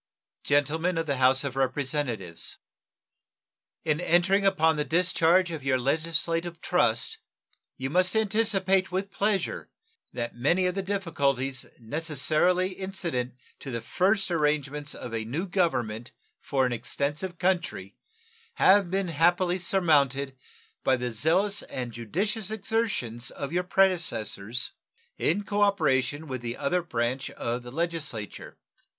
Gentlemen of the House of Representatives: In entering upon the discharge of your legislative trust you must anticipate with pleasure that many of the difficulties necessarily incident to the first arrangements of a new government for an extensive country have been happily surmounted by the zealous and judicious exertions of your predecessors in cooperation with the other branch of the Legislature.